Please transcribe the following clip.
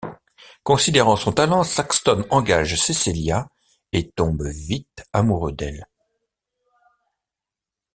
Considérant son talent, Saxton engage Cecelia et tombe vite amoureux d'elle.